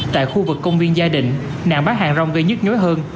tại khu vực công viên gia đình nạn bán hàng rong gây nhức nhối hơn